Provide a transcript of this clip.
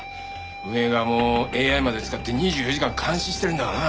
運営側もＡＩまで使って２４時間監視してるんだがな。